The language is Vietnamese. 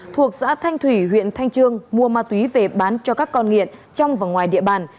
thuộc xã thanh thủy huyện thanh trương mua ma túy về bán cho các con nghiện trong và ngoài địa bàn